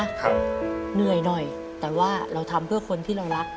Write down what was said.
เหนื่อยหน่อยแต่ว่าเราทำเพื่อคนที่เรารัก